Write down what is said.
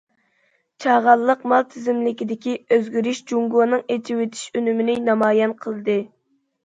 چاغانلىق مال تىزىملىكىدىكى ئۆزگىرىش جۇڭگونىڭ ئېچىۋېتىش ئۈنۈمىنى نامايان قىلدى.